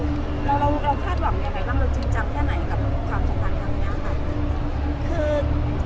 เราคาดหวังอย่างไรบ้างเราจริงจักรแค่ไหนกับความสุขต่างกันอย่างไร